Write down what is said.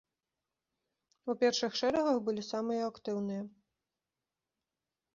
У першых шэрагах былі самыя актыўныя.